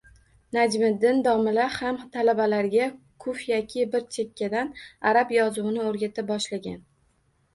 Najmiddin domla ham talabalarga xufyaki bir chekkadan arab yozuvini o‘rgata boshlagan.